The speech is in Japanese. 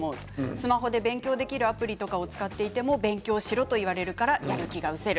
スマホで勉強できるアプリとかも使っていても勉強しろと言われるからやる気がうせる。